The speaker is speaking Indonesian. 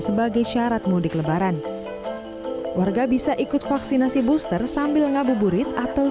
sebagai syarat mudik lebaran warga bisa ikut vaksinasi booster sambil ngabuburit atau